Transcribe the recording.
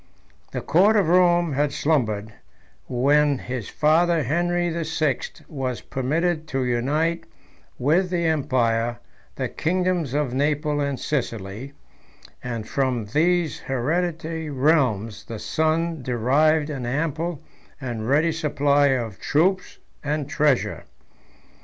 The court of Rome had slumbered, when his father Henry the Sixth was permitted to unite with the empire the kingdoms of Naples and Sicily; and from these hereditary realms the son derived an ample and ready supply of troops and treasure.